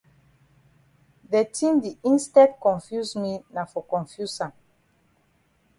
De tin di instead confuse me na for confuse am.